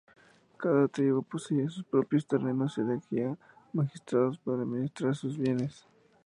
Cada tribu poseía sus propios terrenos y elegía magistrados para administrar sus bienes.